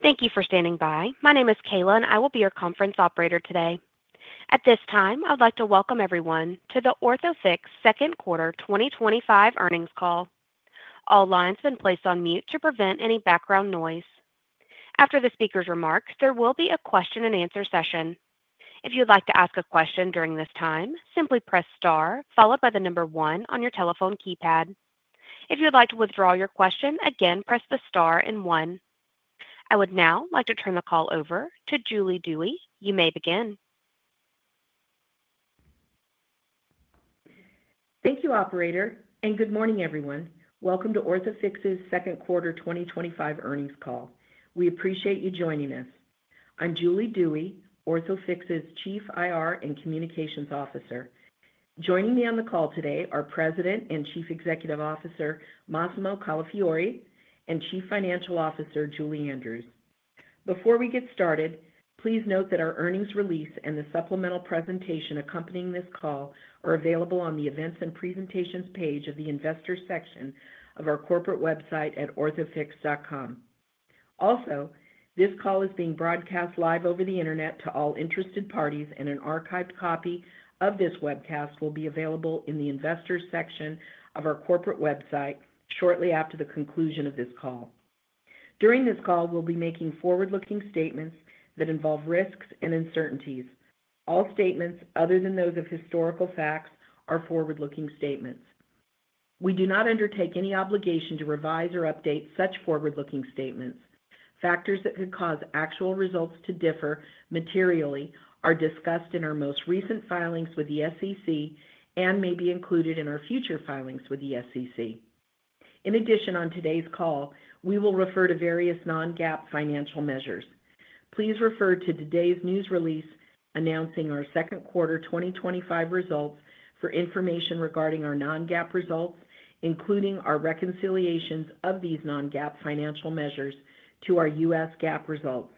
Thank you for standing by. My name is Kayla, and I will be your conference operator today. At this time, I would like to welcome everyone to the Orthofix Second Quarter 2025 Earnings Call. All lines have been placed on mute to prevent any background noise. After the speaker's remarks, there will be a question and answer session. If you would like to ask a question during this time, simply press star followed by the number one on your telephone keypad. If you would like to withdraw your question, again press the star and one. I would now like to turn the call over to Julie Dewey. You may begin. Thank you, Operator, and good morning everyone. Welcome to Orthofix's Second Quarter 2025 Earnings Call. We appreciate you joining us. I'm Julie Dewey, Orthofix's Chief IR and Communications Officer. Joining me on the call today are President and Chief Executive Officer Massimo Calafiore and Chief Financial Officer Julie Andrews. Before we get started, please note that our earnings release and the supplemental presentation accompanying this call are available on the events and presentations page of the investors section of our corporate website at orthofix.com. Also, this call is being broadcast live over the internet to all interested parties, and an archived copy of this webcast will be available in the investors section of our corporate website shortly after the conclusion of this call. During this call, we'll be making forward-looking statements that involve risks and uncertainties. All statements, other than those of historical facts, are forward-looking statements. We do not undertake any obligation to revise or update such forward-looking statements. Factors that could cause actual results to differ materially are discussed in our most recent filings with the SEC and may be included in our future filings with the SEC. In addition, on today's call, we will refer to various non-GAAP financial measures. Please refer to today's news release announcing our second quarter 2025 results for information regarding our non-GAAP results, including our reconciliations of these non-GAAP financial measures to our U.S. GAAP results.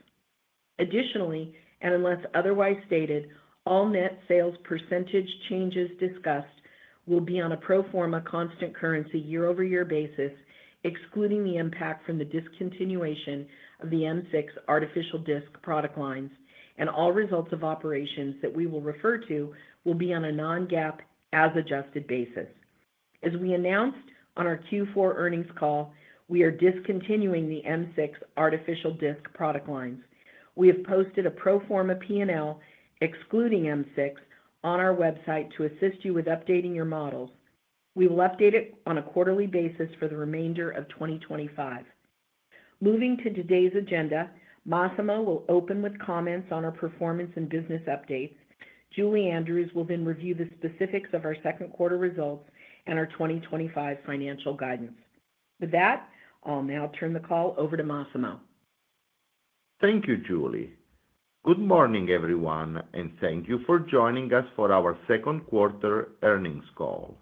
Additionally, and unless otherwise stated, all net sales percentage changes discussed will be on a pro forma constant currency year-over-year basis, excluding the impact from the discontinuation of the M6 Artificial Disc product lines, and all results of operations that we will refer to will be on a non-GAAP as adjusted basis. As we announced on our Q4 earnings call, we are discontinuing the M6 Artificial Disc product lines. We have posted a pro forma P&L excluding M6 on our website to assist you with updating your models. We will update it on a quarterly basis for the remainder of 2025. Moving to today's agenda, Massimo will open with comments on our performance and business updates. Julie Andrews will then review the specifics of our second quarter results and our 2025 financial guidance. With that, I'll now turn the call over to Massimo. Thank you, Julie. Good morning everyone, and thank you for joining us for our second quarter earnings call.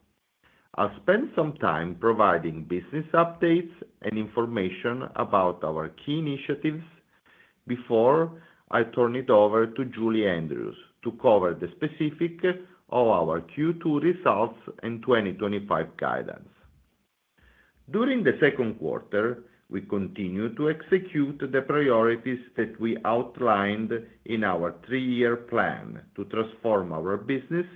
I'll spend some time providing business updates and information about our key initiatives before I turn it over to Julie Andrews to cover the specifics of our Q2 results and 2025 guidance. During the second quarter, we continue to execute the priorities that we outlined in our three-year plan to transform our business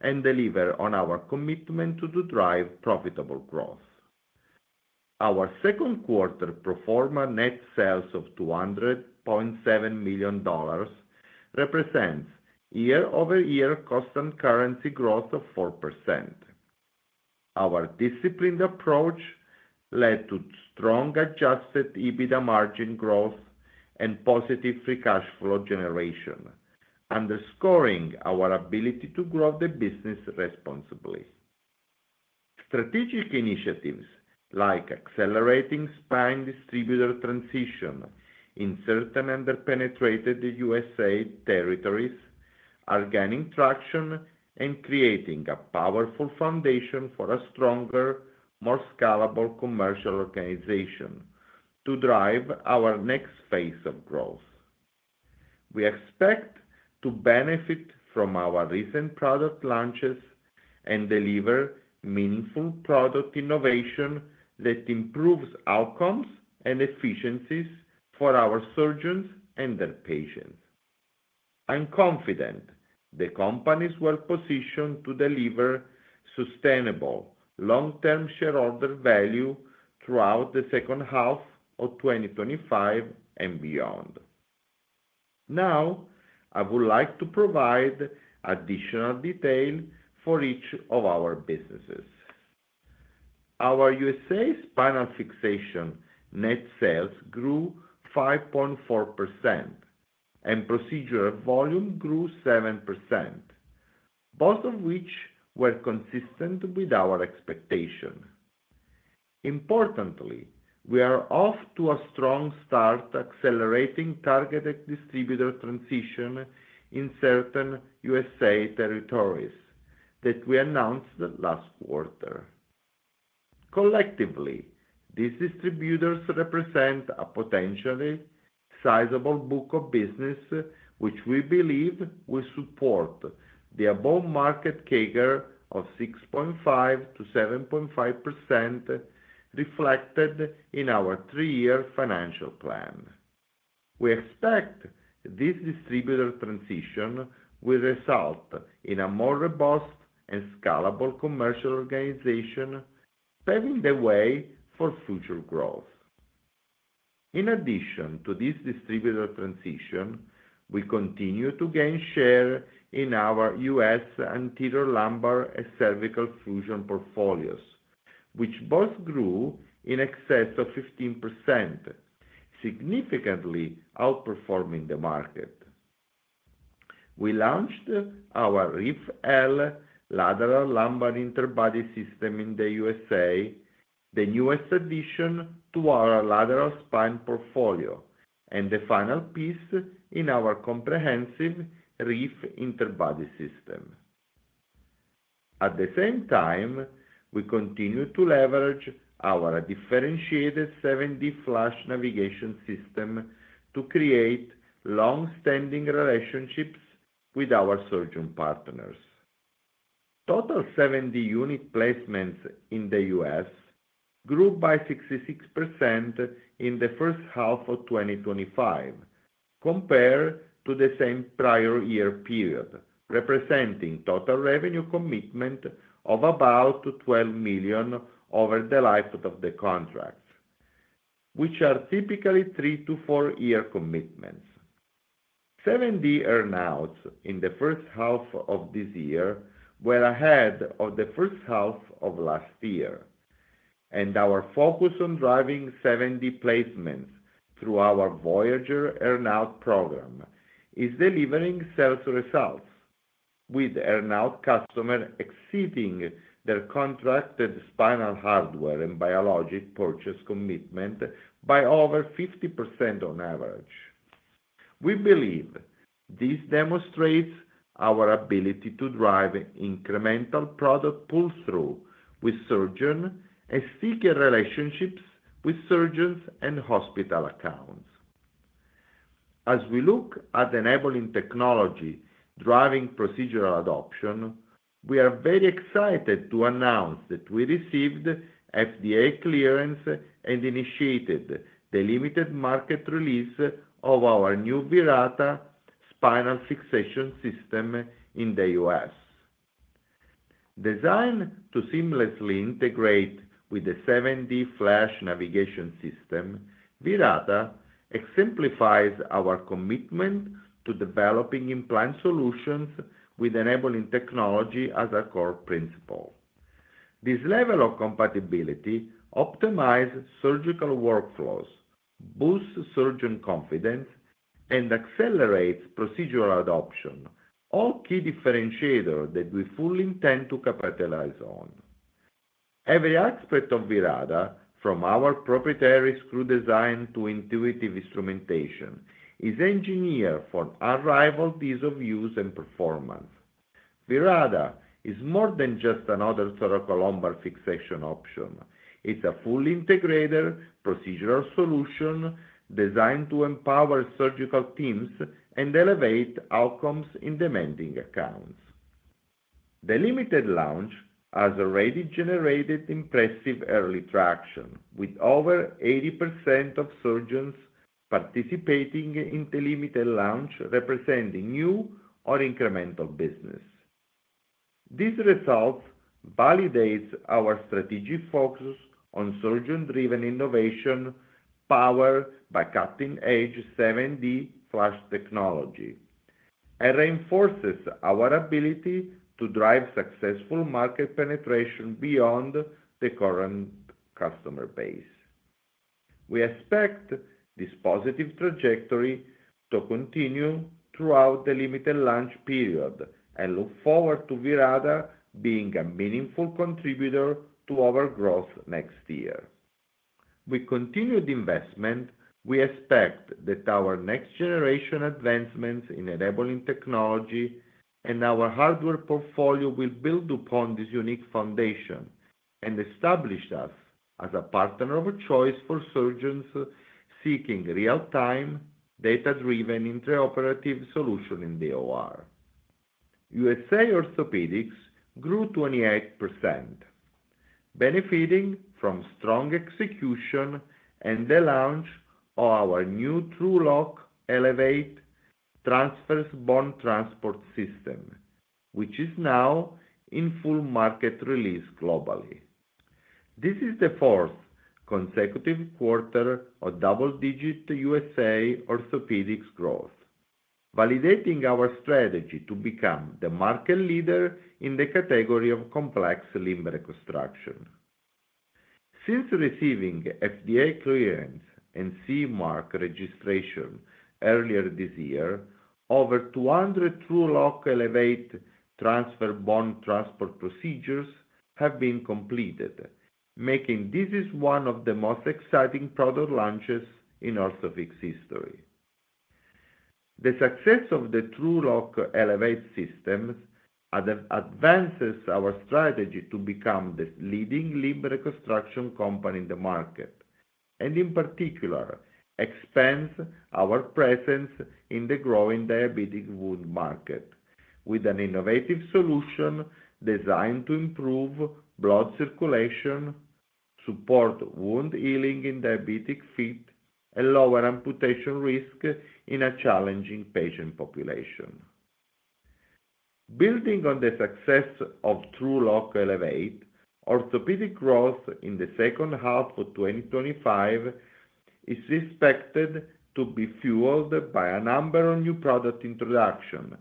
and deliver on our commitment to drive profitable growth. Our second quarter pro forma net sales of $200.7 million represents year-over-year constant currency growth of 4%. Our disciplined approach led to strong adjusted EBITDA margin growth and positive free cash flow generation, underscoring our ability to grow the business responsibly. Strategic initiatives like accelerating spine distributor transition in certain underpenetrated U.S.A. territories are gaining traction and creating a powerful foundation for a stronger, more scalable commercial organization to drive our next phase of growth. We expect to benefit from our recent product launches and deliver meaningful product innovation that improves outcomes and efficiencies for our surgeons and their patients. I'm confident the company's positioned to deliver sustainable long-term shareholder value throughout the second half of 2025 and beyond. Now, I would like to provide additional detail for each of our businesses. Our U.S.A. spinal fixation net sales grew 5.4% and procedural volume grew 7%, both of which were consistent with our expectation. Importantly, we are off to a strong start accelerating targeted distributor transition in certain U.S.A. territories that we announced last quarter. Collectively, these distributors represent a potentially sizable book of business, which we believe will support the above market CAGR of 6.5%-7.5% reflected in our three-year financial plan. We expect this distributor transition will result in a more robust and scalable commercial organization, paving the way for future growth. In addition to this distributor transition, we continue to gain share in our U.S. anterior lumbar and cervical fusion portfolios, which both grew in excess of 15%, significantly outperforming the market. We launched our Reef L lateral lumbar interbody system in the U.S.A., the newest addition to our lateral spine portfolio, and the final piece in our comprehensive Reef interbody system. At the same time, we continue to leverage our differentiated 7D FLASH Navigation System to create long-standing relationships with our surgeon partners. Total 7D unit placements in the U.S. grew by 66% in the first half of 2025, compared to the same prior year period, representing total revenue commitment of about $12 million over the life of the contracts, which are typically three to four-year commitments. 7D earnouts in the first half of this year were ahead of the first half of last year, and our focus on driving 7D placements through our Voyager earnout program is delivering sales results, with earnout customers exceeding their contracted spinal hardware and biologic purchase commitment by over 50% on average. We believe this demonstrates our ability to drive incremental product pull-through with surgeons and seek relationships with surgeons and hospital accounts. As we look at enabling technology driving procedural adoption, we are very excited to announce that we received FDA clearance and initiated the limited market release of our new Virata Spinal Fixation System in the U.S. Designed to seamlessly integrate with the 7D FLASH Navigation System, Virata exemplifies our commitment to developing implant solutions with enabling technology as a core principle. This level of compatibility optimizes surgical workflows, boosts surgeon confidence, and accelerates procedural adoption, all key differentiators that we fully intend to capitalize on. Every aspect of Virata, from our proprietary screw design to intuitive instrumentation, is engineered for unrivaled ease of use and performance. Virata is more than just another thoracolumbar fixation option. It's a fully integrated procedural solution designed to empower surgical teams and elevate outcomes in demanding accounts. The limited launch has already generated impressive early traction, with over 80% of surgeons participating in the limited launch representing new or incremental business. This result validates our strategic focus on surgeon-driven innovation powered by cutting-edge 7D FLASH technology and reinforces our ability to drive successful market penetration beyond the current customer base. We expect this positive trajectory to continue throughout the limited launch period and look forward to Virata being a meaningful contributor to our growth next year. With continued investment, we expect that our next-generation advancements in enabling technology and our hardware portfolio will build upon this unique foundation and establish us as a partner of choice for surgeons seeking real-time, data-driven intraoperative solutions in the OR. U.S.A. orthopedics grew 28%, benefiting from strong execution and the launch of our new TrueLok Elevate Transverse Bone Transport System, which is now in full market release globally. This is the fourth consecutive quarter of double-digit U.S.A. orthopedics growth, validating our strategy to become the market leader in the category of complex limb reconstruction. Since receiving FDA clearance and CMARC registration earlier this year, over 200 TrueLok Elevate Transverse Bone Transport procedures have been completed, making this one of the most exciting product launches in Orthofix history. The success of the TrueLok Elevate System advances our strategy to become the leading limb reconstruction company in the market and, in particular, expands our presence in the growing diabetic wound market with an innovative solution designed to improve blood circulation, support wound healing in diabetic feet, and lower amputation risk in a challenging patient population. Building on the success of TrueLok Elevate, orthopedic growth in the second half of 2025 is expected to be fueled by a number of new product introductions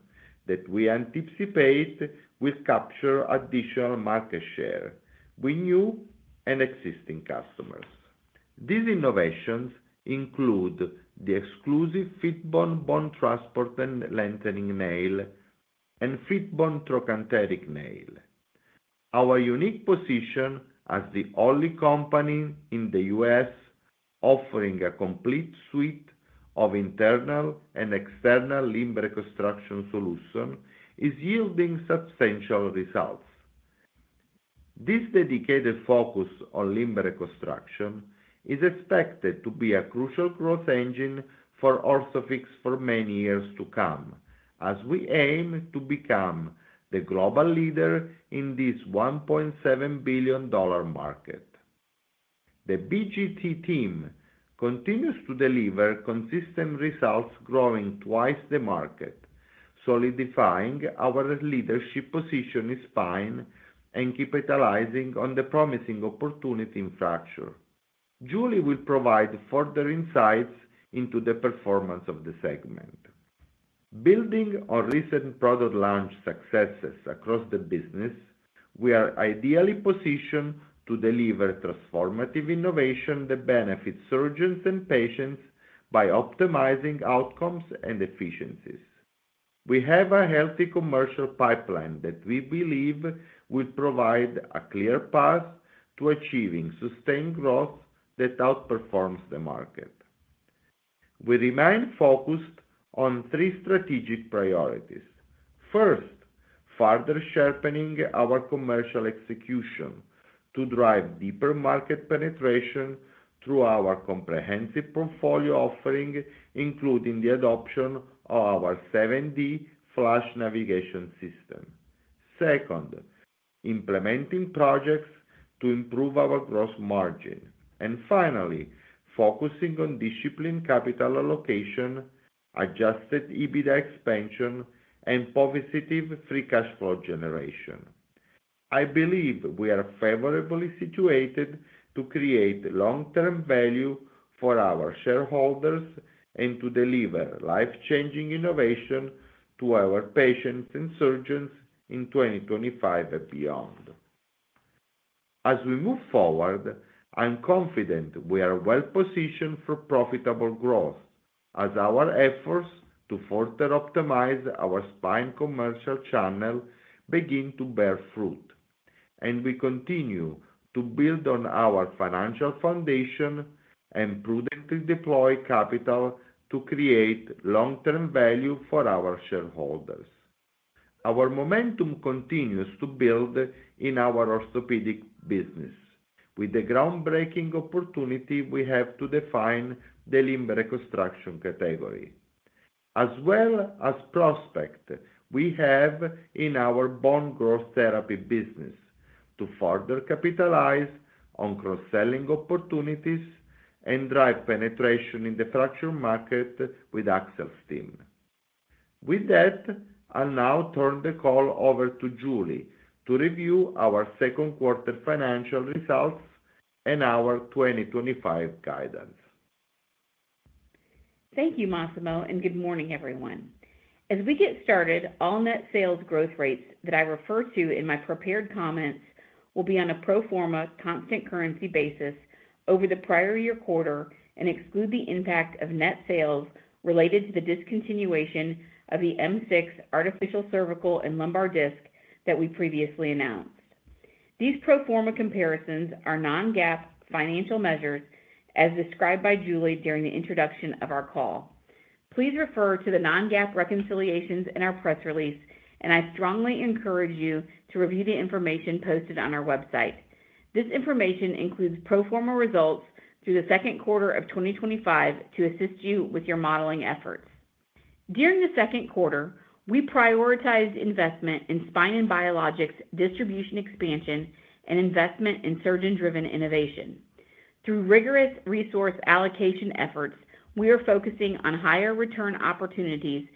that we anticipate will capture additional market share with new and existing customers. These innovations include the exclusive FitBone bone transport and lengthening nail and FitBone trochanteric nail. Our unique position as the only company in the U.S. offering a complete suite of internal and external limb reconstruction solutions is yielding substantial results. This dedicated focus on limb reconstruction is expected to be a crucial growth engine for Orthofix for many years to come as we aim to become the global leader in this $1.7 billion market. The BGT team continues to deliver consistent results, growing twice the market, solidifying our leadership position in spine and capitalizing on the promising opportunity in fracture. Julie will provide further insights into the performance of the segment. Building on recent product launch successes across the business, we are ideally positioned to deliver transformative innovation that benefits surgeons and patients by optimizing outcomes and efficiencies. We have a healthy commercial pipeline that we believe will provide a clear path to achieving sustained growth that outperforms the market. We remain focused on three strategic priorities. First, further sharpening our commercial execution to drive deeper market penetration through our comprehensive portfolio offering, including the adoption of our 7D FLASH Navigation System. Second, implementing projects to improve our gross margin, and finally, focusing on disciplined capital allocation, adjusted EBITDA expansion, and positive free cash flow generation. I believe we are favorably situated to create long-term value for our shareholders and to deliver life-changing innovation to our patients and surgeons in 2025 and beyond. As we move forward, I'm confident we are well positioned for profitable growth as our efforts to further optimize our spine commercial channel begin to bear fruit, and we continue to build on our financial foundation and prudently deploy capital to create long-term value for our shareholders. Our momentum continues to build in our orthopedics business with the groundbreaking opportunity we have to define the limb reconstruction category, as well as prospects we have in our Bone Growth Therapies business to further capitalize on cross-selling opportunities and drive penetration in the fracture market with Axel's team. With that, I'll now turn the call over to Julie to review our second quarter financial results and our 2025 guidance. Thank you, Massimo, and good morning everyone. As we get started, all net sales growth rates that I refer to in my prepared comments will be on a pro forma constant currency basis over the prior year quarter and exclude the impact of net sales related to the discontinuation of the M6 Artificial Cervical and Lumbar Disc that we previously announced. These pro forma comparisons are non-GAAP financial measures as described by Julie during the introduction of our call. Please refer to the non-GAAP reconciliations in our press release, and I strongly encourage you to review the information posted on our website. This information includes pro forma results through the second quarter of 2025 to assist you with your modeling efforts. During the second quarter, we prioritized investment in spine and biologics distribution expansion and investment in surgeon-driven innovation. Through rigorous resource allocation efforts, we are focusing on higher return opportunities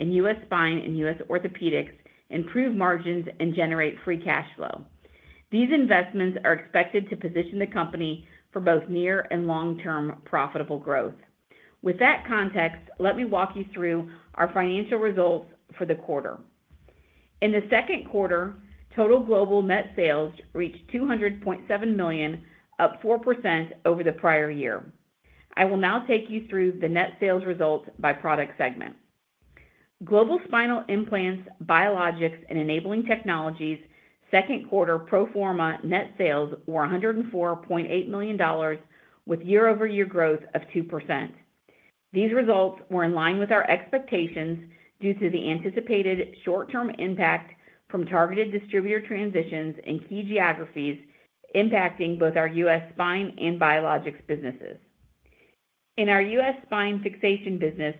to further sustain our share capture in U.S. spine and U.S. orthopedics, improve margins, and generate free cash flow. These investments are expected to position the company for both near and long-term profitable growth. With that context, let me walk you through our financial results for the quarter. In the second quarter, total global net sales reached $200.7 million, up 4% over the prior year. I will now take you through the net sales results by product segment. Global spinal implants, biologics, and enabling technologies second quarter pro forma net sales were $104.8 million with year-over-year growth of 2%. These results were in line with our expectations due to the anticipated short-term impact from targeted distributor transitions in key geographies impacting both our U.S. spine and biologics businesses. In our U.S. spine fixation business,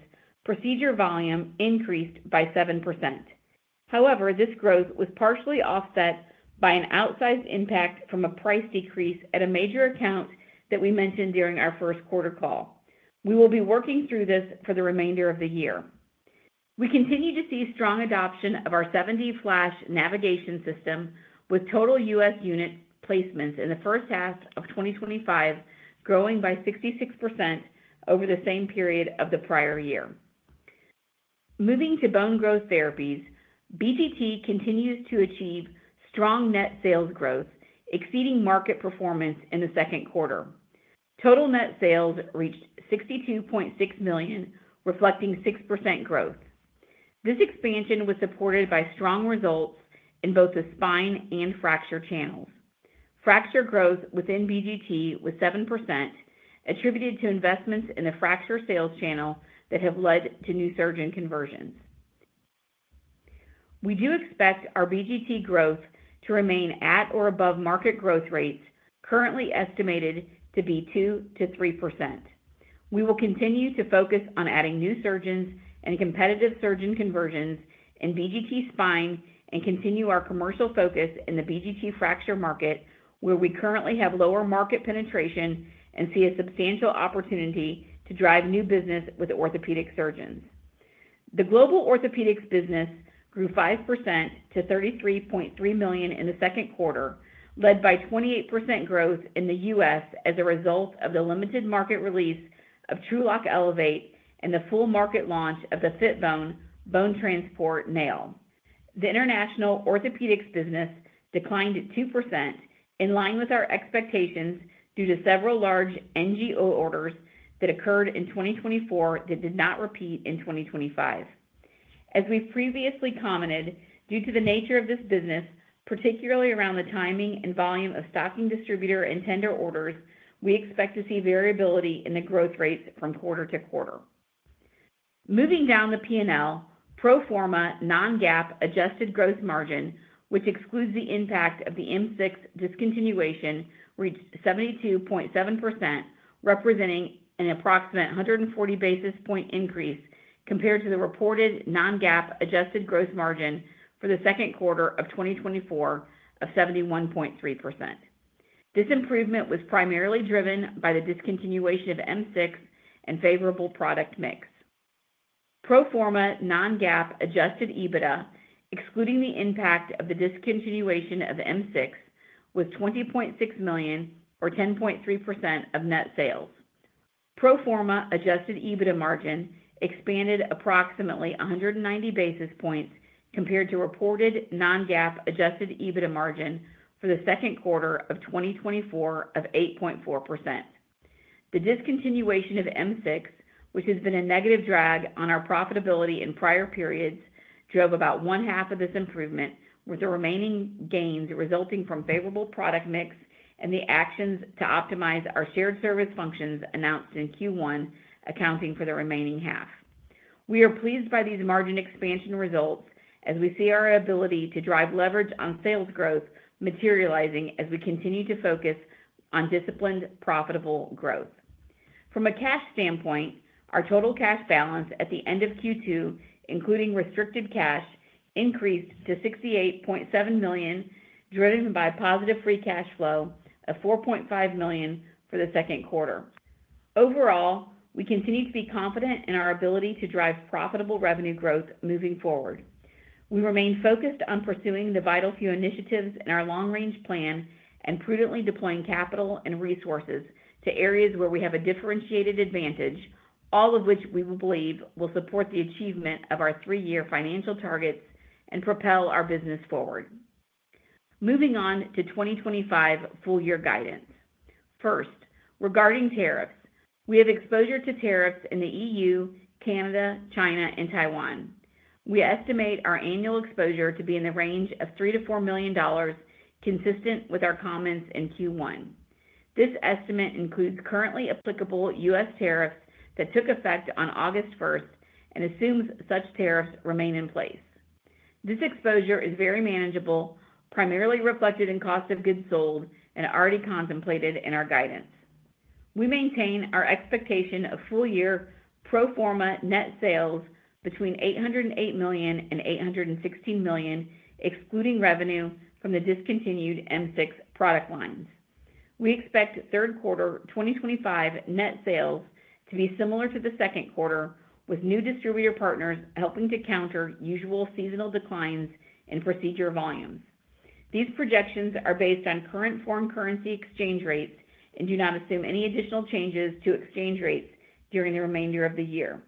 procedure volume increased by 7%. However, this growth was partially offset by an outsized impact from a price decrease at a major account that we mentioned during our first quarter call. We will be working through this for the remainder of the year. We continue to see strong adoption of our 7D FLASH Navigation System with total U.S. unit placements in the first half of 2025 growing by 66% over the same period of the prior year. Moving to Bone Growth Therapies, BGT continues to achieve strong net sales growth, exceeding market performance in the second quarter. Total net sales reached $62.6 million, reflecting 6% growth. This expansion was supported by strong results in both the spine and fracture channels. Fracture growth within BGT was 7%, attributed to investments in the fracture sales channel that have led to new surgeon conversions. We do expect our BGT growth to remain at or above market growth rates currently estimated to be 2%-3%. We will continue to focus on adding new surgeons and competitive surgeon conversions in BGT spine and continue our commercial focus in the BGT fracture market where we currently have lower market penetration and see a substantial opportunity to drive new business with orthopedic surgeons. The global orthopedics business grew 5% to $33.3 million in the second quarter, led by 28% growth in the U.S. as a result of the limited market release of TrueLok Elevate and the full market launch of the FitBone bone transport nail. The international orthopedics business declined 2% in line with our expectations due to several large NGO orders that occurred in 2024 that did not repeat in 2025. As we've previously commented, due to the nature of this business, particularly around the timing and volume of stocking distributor and tender orders, we expect to see variability in the growth rates from quarter to quarter. Moving down the P&L, pro forma non-GAAP adjusted gross margin, which excludes the impact of the M6 discontinuation, reached 72.7%, representing an approximate 140 basis point increase compared to the reported non-GAAP adjusted gross margin for the second quarter of 2024 of 71.3%. This improvement was primarily driven by the discontinuation of M6 and favorable product mix. Pro forma non-GAAP adjusted EBITDA excluding the impact of the discontinuation of M6 was $20.6 million or 10.3% of net sales. Pro forma adjusted EBITDA margin expanded approximately 190 basis points compared to reported non-GAAP adjusted EBITDA margin for the second quarter of 2024 of 8.4%. The discontinuation of M6, which has been a negative drag on our profitability in prior periods, drove about one half of this improvement with the remaining gains resulting from favorable product mix and the actions to optimize our shared service functions announced in Q1, accounting for the remaining half. We are pleased by these margin expansion results as we see our ability to drive leverage on sales growth materializing as we continue to focus on disciplined, profitable growth. From a cash standpoint, our total cash balance at the end of Q2, including restricted cash, increased to $68.7 million, driven by positive free cash flow of $4.5 million for the second quarter. Overall, we continue to be confident in our ability to drive profitable revenue growth moving forward. We remain focused on pursuing the vital few initiatives in our long-range plan and prudently deploying capital and resources to areas where we have a differentiated advantage, all of which we believe will support the achievement of our three-year financial targets and propel our business forward. Moving on to 2025 full-year guidance. First, regarding tariffs, we have exposure to tariffs in the EU, Canada, China, and Taiwan. We estimate our annual exposure to be in the range of $3 million-$4 million, consistent with our comments in Q1. This estimate includes currently applicable U.S. tariffs that took effect on August 1st and assumes such tariffs remain in place. This exposure is very manageable, primarily reflected in cost of goods sold and already contemplated in our guidance. We maintain our expectation of full-year pro forma net sales between $808 million and $816 million, excluding revenue from the discontinued M6 product lines. We expect third quarter 2025 net sales to be similar to the second quarter, with new distributor partners helping to counter usual seasonal declines in procedure volumes. These projections are based on current foreign currency exchange rates and do not assume any additional changes to exchange rates during the remainder of the year.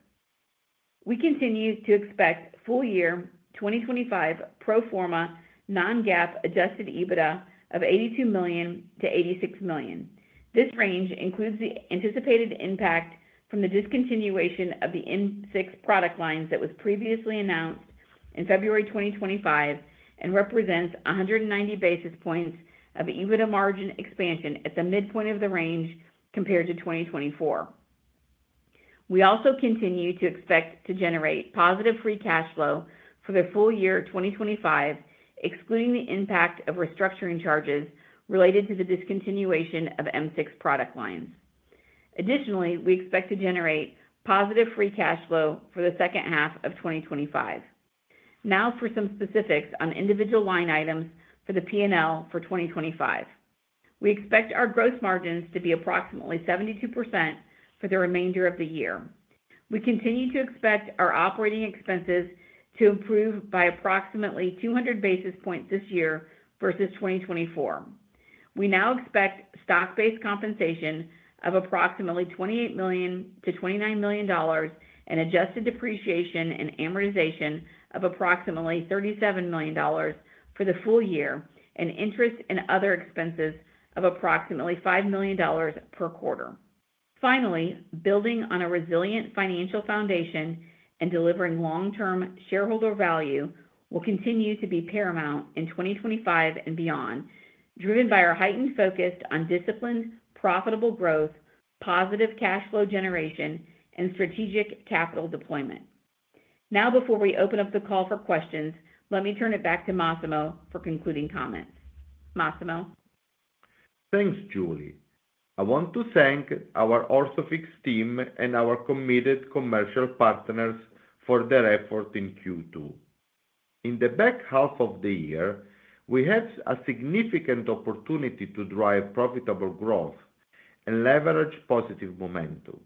We continue to expect full-year 2025 pro forma non-GAAP adjusted EBITDA of $82 million-$86 million. This range includes the anticipated impact from the discontinuation of the M6 product lines that was previously announced in February 2025 and represents 190 basis points of EBITDA margin expansion at the midpoint of the range compared to 2024. We also continue to expect to generate positive free cash flow for the full year 2025, excluding the impact of restructuring charges related to the discontinuation of M6 product lines. Additionally, we expect to generate positive free cash flow for the second half of 2025. Now for some specifics on individual line items for the P&L for 2025. We expect our gross margins to be approximately 72% for the remainder of the year. We continue to expect our operating expenses to improve by approximately 200 basis points this year versus 2024. We now expect stock-based compensation of approximately $28 million-$29 million and adjusted depreciation and amortization of approximately $37 million for the full year, and interest and other expenses of approximately $5 million per quarter. Finally, building on a resilient financial foundation and delivering long-term shareholder value will continue to be paramount in 2025 and beyond, driven by our heightened focus on disciplined, profitable growth, positive cash flow generation, and strategic capital deployment. Now, before we open up the call for questions, let me turn it back to Massimo for concluding comments. Massimo? Thanks, Julie. I want to thank our Orthofix team and our committed commercial partners for their effort in Q2. In the back half of the year, we had a significant opportunity to drive profitable growth and leverage positive momentum.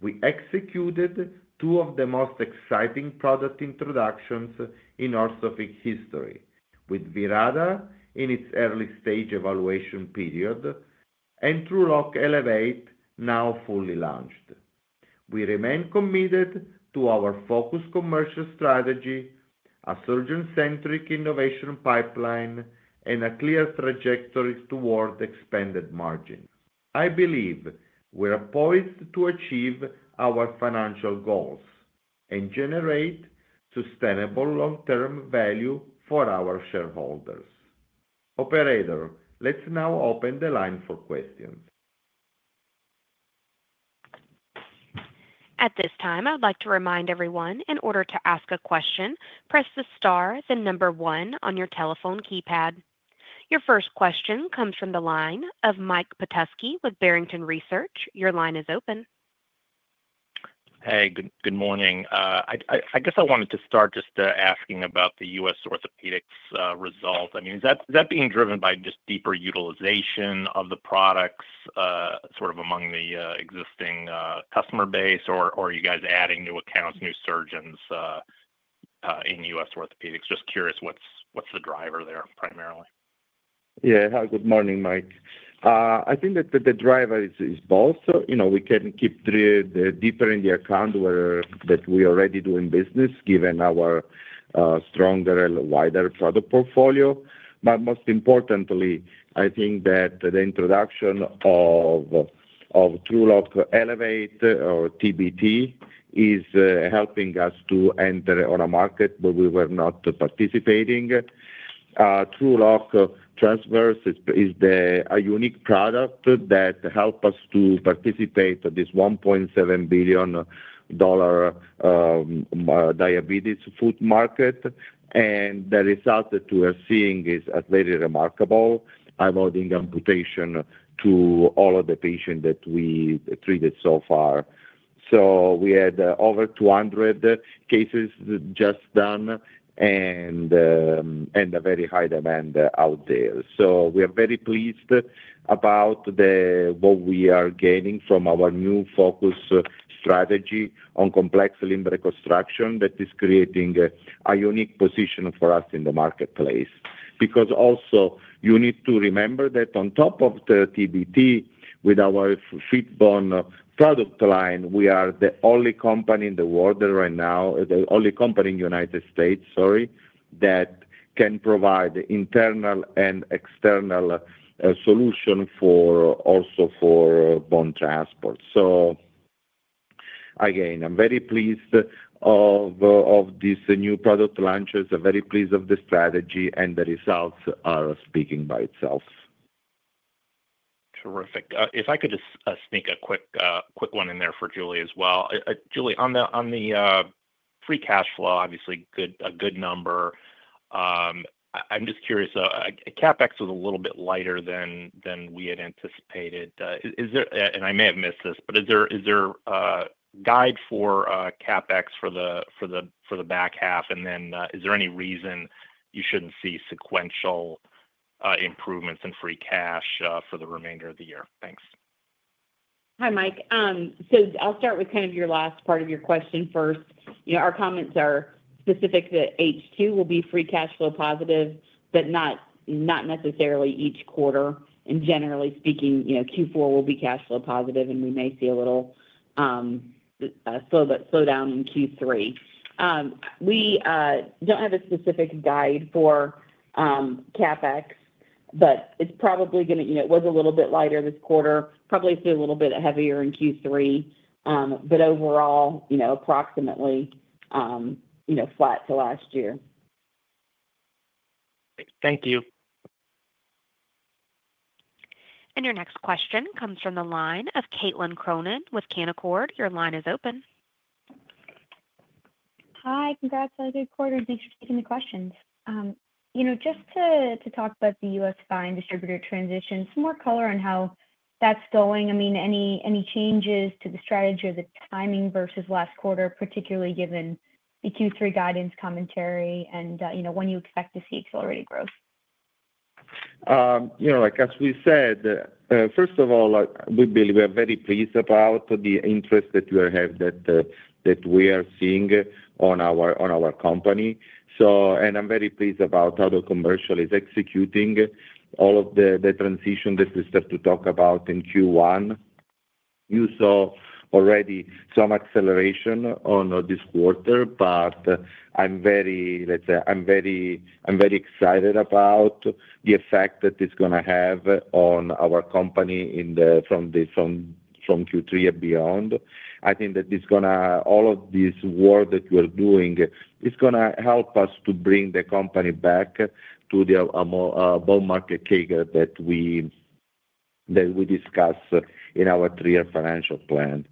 We executed two of the most exciting product introductions in Orthofix history, with Virata in its early stage evaluation period and TrueLok Elevate now fully launched. We remain committed to our focused commercial strategy, a surgeon-centric innovation pipeline, and a clear trajectory toward expanded margins. I believe we are poised to achieve our financial goals and generate sustainable long-term value for our shareholders. Operator, let's now open the line for questions. At this time, I would like to remind everyone, in order to ask a question, press the star, the number one on your telephone keypad. Your first question comes from the line of Mike Petusky with Barrington Research. Your line is open. Hey, good morning. I guess I wanted to start just asking about the U.S. orthopedics result. I mean, is that being driven by just deeper utilization of the products among the existing customer base, or are you guys adding new accounts, new surgeons in U.S. orthopedics? Just curious, what's the driver there primarily? Yeah, good morning, Mike. I think that the driver is both. You know, we can keep deeper in the account where we are already doing business, given our stronger and wider product portfolio. Most importantly, I think that the introduction of TrueLok Elevate TBT is helping us to enter a market where we were not participating. TrueLok Transverse is a unique product that helps us to participate in this $1.7 billion diabetes foot market, and the results that we are seeing are very remarkable, avoiding amputation to all of the patients that we treated so far. We had over 200 cases just done and a very high demand out there. We are very pleased about what we are gaining from our new focus strategy on complex limb reconstruction that is creating a unique position for us in the marketplace. You need to remember that on top of TBT with our FitBone product line, we are the only company in the world right now, the only company in the U.S., sorry, that can provide internal and external solutions also for bone transport. Again, I'm very pleased of these new product launches. I'm very pleased of the strategy, and the results are speaking by themselves. Terrific. If I could just sneak a quick one in there for Julie as well. Julie, on the free cash flow, obviously a good number. I'm just curious, CapEx was a little bit lighter than we had anticipated. Is there, and I may have missed this, but is there a guide for CapEx for the back half, and then is there any reason you shouldn't see sequential improvements in free cash for the remainder of the year? Thanks. Hi, Mike. I'll start with kind of your last part of your question first. Our comments are specific to H2. We'll be free cash flow positive, but not necessarily each quarter. Generally speaking, Q4 will be cash flow positive, and we may see a little slowdown in Q3. We don't have a specific guide for CapEx, but it's probably going to, you know, it was a little bit lighter this quarter, probably a little bit heavier in Q3. Overall, approximately, you know, flat to last year. Thank you. Your next question comes from the line of Caitlin Cronin with Canaccord. Your line is open. Hi. Congrats on the quarter, and thanks for taking the questions. Just to talk about the U.S. spine distributor transition, some more color on how that's going. Any changes to the strategy or the timing versus last quarter, particularly given the Q3 guidance commentary, and when you expect to see accelerated growth? As we said, first of all, we believe we are very pleased about the interest that we have, that we are seeing on our company. I am very pleased about how the commercial is executing all of the transition that we started to talk about in Q1. You saw already some acceleration in this quarter. I am very excited about the effect that it's going to have on our company from Q3 and beyond. I think that all of this work that we're doing is going to help us to bring the company back to the bull market CAGR that we discussed in our three-year financial plan.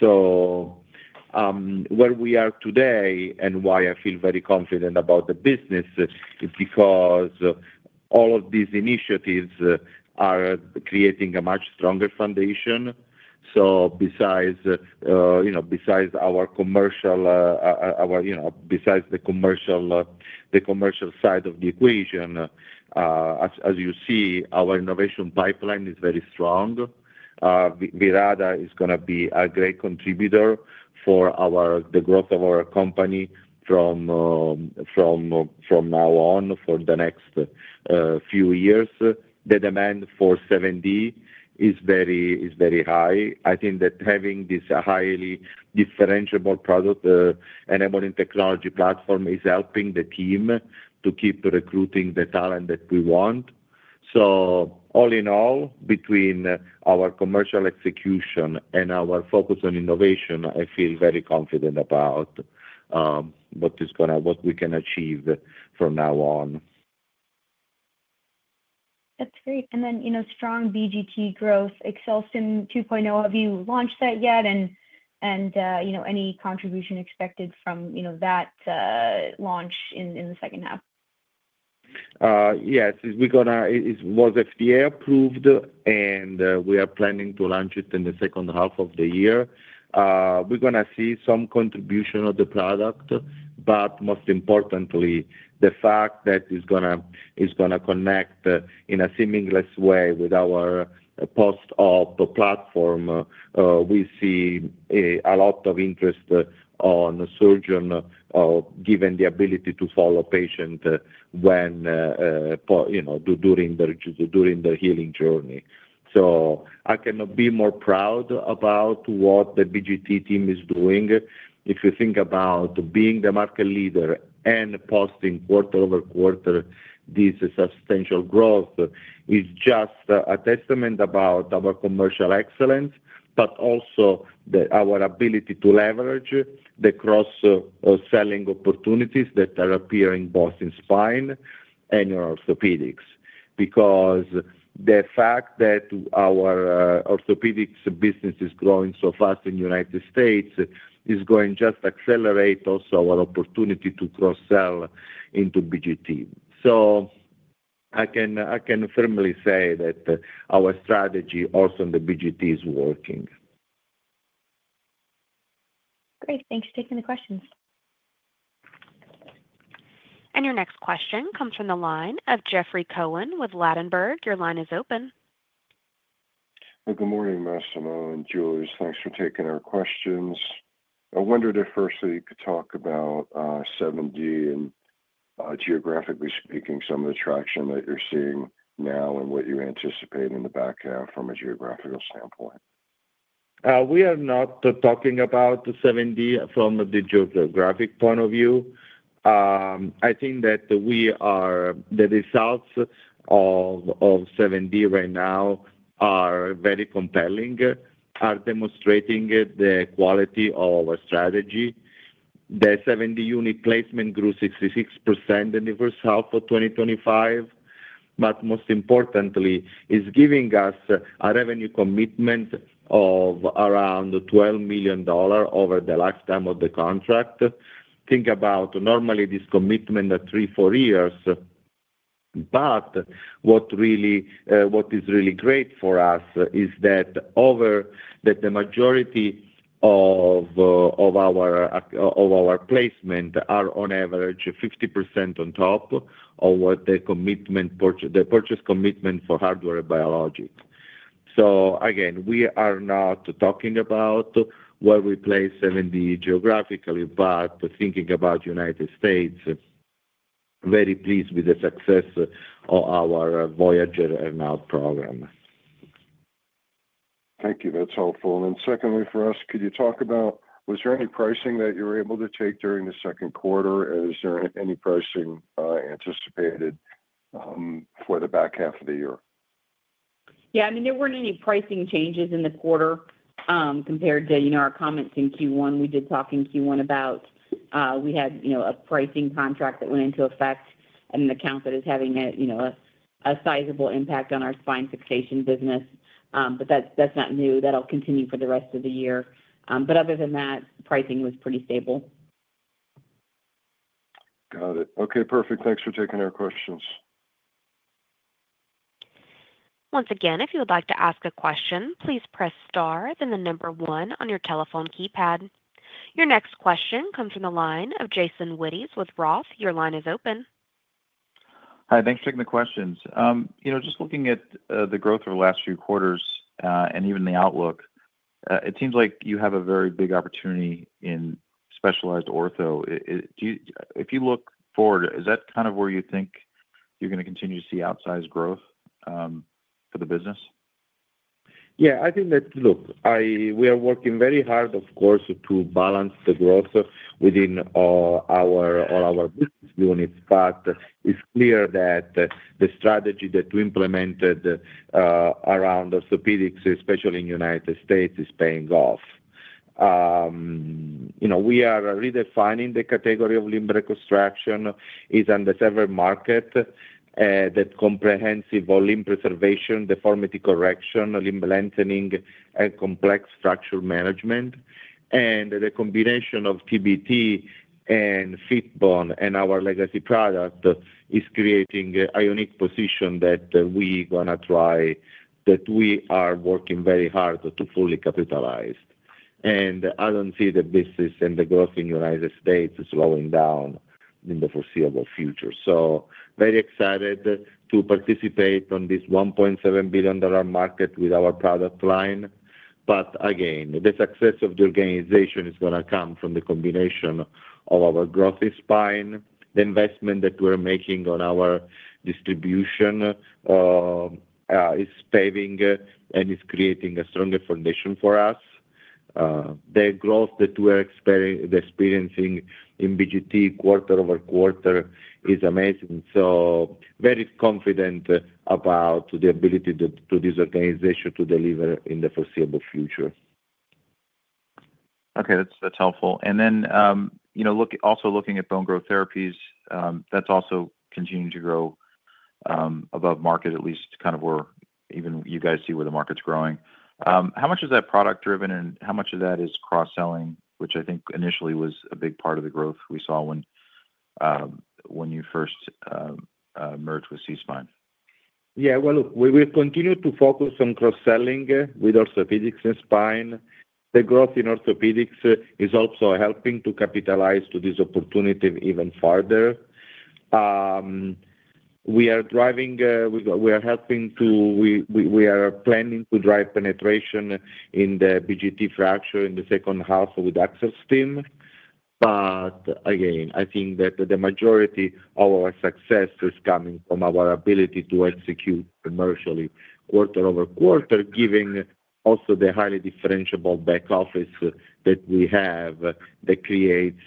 Where we are today and why I feel very confident about the business is because all of these initiatives are creating a much stronger foundation. Besides our commercial, besides the commercial side of the equation, as you see, our innovation pipeline is very strong. Virata is going to be a great contributor for the growth of our company from now on for the next few years. The demand for 7D is very high. I think that having this highly differentiable product enabling technology platform is helping the team to keep recruiting the talent that we want. All in all, between our commercial execution and our focus on innovation, I feel very confident about what we can achieve from now on. That's great. You know, strong BGT growth, AccelStim 2.0. Have you launched that yet? You know, any contribution expected from that launch in the second half? Yes. It was FDA approved, and we are planning to launch it in the second half of the year. We're going to see some contribution of the product, but most importantly, the fact that it's going to connect in a seamless way with our post-op platform. We see a lot of interest on surgeons, given the ability to follow patients during the healing journey. I cannot be more proud about what the BGT team is doing. If you think about being the market leader and posting quarter-over-quarter, this substantial growth is just a testament about our commercial excellence, but also our ability to leverage the cross-selling opportunities that are appearing both in spine and in orthopedics. The fact that our orthopedics business is growing so fast in the U.S. is going to just accelerate also our opportunity to cross-sell into BGT. I can firmly say that our strategy also in the BGT is working. Great. Thanks for taking the questions. Your next question comes from the line of Jeffrey Cohen with Ladenburg. Your line is open. Good morning, Massimo and Julie. Thanks for taking our questions. I wondered at first if you could talk about 7D and, geographically speaking, some of the traction that you're seeing now and what you anticipate in the back half from a geographical standpoint. We are not talking about 7D from the geographic point of view. I think that we are, the results of 7D right now are very compelling, are demonstrating the quality of our strategy. The 7D unit placement grew 66% in the first half of 2025. Most importantly, it's giving us a revenue commitment of around $12 million over the lifetime of the contract. Think about normally this commitment at three, four years. What is really great for us is that the majority of our placements are on average 50% on top of what the purchase commitment for hardware biologics. Again, we are not talking about where we place 7D geographically, but thinking about the U.S., very pleased with the success of our Voyager earnout program. Thank you. That's helpful. For us, could you talk about, was there any pricing that you were able to take during the second quarter? Is there any pricing anticipated for the back half of the year? Yeah, I mean, there weren't any pricing changes in the quarter compared to our comments in Q1. We did talk in Q1 about, we had a pricing contract that went into effect and an account that is having a sizable impact on our spine fixation business. That's not new. That'll continue for the rest of the year. Other than that, pricing was pretty stable. Got it. Okay. Perfect. Thanks for taking our questions. Once again, if you would like to ask a question, please press star, then the number one on your telephone keypad. Your next question comes from the line of Jason Wittes with Roth. Your line is open. Hi. Thanks for taking the questions. You know, just looking at the growth over the last few quarters and even the outlook, it seems like you have a very big opportunity in specialized ortho. If you look forward, is that kind of where you think you're going to continue to see outsized growth for the business? Yeah, I think that, look, we are working very hard, of course, to balance the growth within all our business units. It's clear that the strategy that we implemented around orthopedics, especially in the U.S., is paying off. We are redefining the category of limb reconstruction. It's on the served market that comprehensive limb preservation, deformity correction, limb lengthening, and complex fracture management. The combination of TBT and FitBone and our legacy product is creating a unique position that we want to try, that we are working very hard to fully capitalize. I don't see the business and the growth in the United States slowing down in the foreseeable future. Very excited to participate on this $1.7 billion market with our product line. Again, the success of the organization is going to come from the combination of our growth in spine, the investment that we're making on our distribution is paving and is creating a stronger foundation for us. The growth that we're experiencing in BGT quarter-over-quarter is amazing. Very confident about the ability for this organization to deliver in the foreseeable future. Okay. That's helpful. Also, looking at Bone Growth Therapies, that's also continuing to grow above market, at least kind of where even you guys see where the market's growing. How much is that product driven and how much of that is cross-selling, which I think initially was a big part of the growth we saw when you first merged with SeaSpine? Yeah. Look, we continue to focus on cross-selling with orthopedics and spine. The growth in orthopedics is also helping to capitalize on this opportunity even further. We are driving, we are helping to, we are planning to drive penetration in the BGT fracture in the second half with Axel's team. Again, I think that the majority of our success is coming from our ability to execute commercially quarter-over-quarter, giving also the highly differentiable back office that we have that creates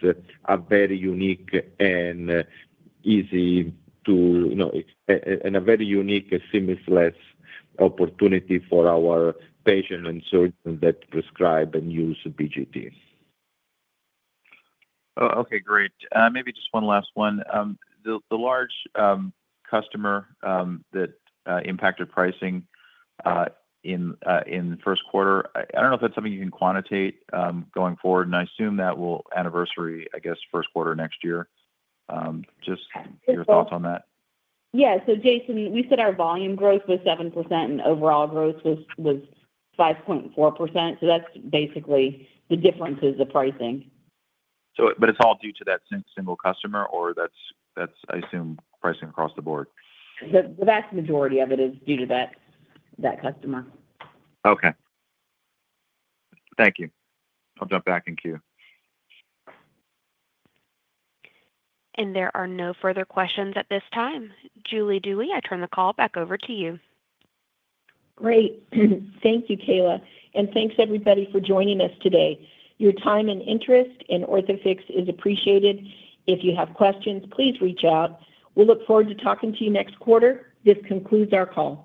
a very unique and easy to, you know, and a very unique seamless opportunity for our patients and surgeons that prescribe and use BGT. Okay. Great. Maybe just one last one. The large customer that impacted pricing in the first quarter, I don't know if that's something you can quantitate going forward, and I assume that will anniversary, I guess, first quarter next year. Just your thoughts on that? Yeah. Jason, we said our volume growth was 7% and overall growth was 5.4%. That's basically the differences of pricing. Is it all due to that single customer, or is that, I assume, pricing across the board? The vast majority of it is due to that customer. Okay, thank you. I'll jump back in queue. There are no further questions at this time. Julie Dewey, I turn the call back over to you. Great. Thank you, Kayla. Thanks, everybody, for joining us today. Your time and interest in Orthofix is appreciated. If you have questions, please reach out. We'll look forward to talking to you next quarter. This concludes our call.